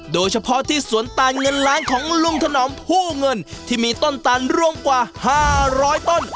โดยเฉพาะที่สวนตาลเงินล้านของลุงถนอมผู้เงินที่มีต้นตันรวมกว่า๕๐๐ต้น